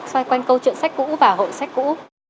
xoay quanh câu chuyện sách cũ và hội sách cũ